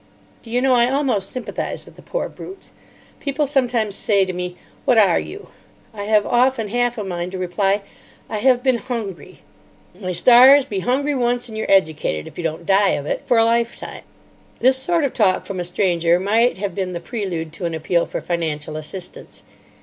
Do you know, I almost sympathise with the poor brutes. People sometimes say to me, 'What are you?' I have often half a mind to reply, 'I have been hungry.' My stars, be hungry once, and you're educated, if you don't die of it, for a lifetime." This sort of talk from a stranger might have been the prelude to an appeal for financial assistance.